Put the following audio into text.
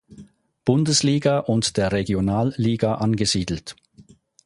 Bundesliga und der Regionalliga angesiedelt.